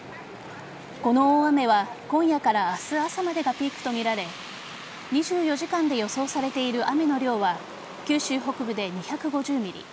この大雨は今夜から明日朝までのピークとみられ２４時間で予想されている雨の量は九州北部で２５０ｍｍ